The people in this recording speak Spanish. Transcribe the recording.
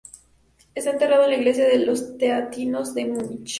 Está enterrado en la iglesia de los Teatinos de Múnich.